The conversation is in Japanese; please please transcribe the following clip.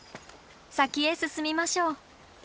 先へ進みましょう。